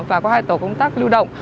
và có hai tổ công tác lưu động